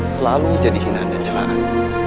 selalu jadi hinaan dan celahan